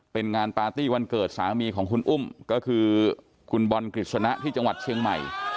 เป็นงานปาร์ตี้วันเกิดสามีของคุณอุ้มก็คือคุณบอลกฤษณะที่จังหวัดเชียงใหม่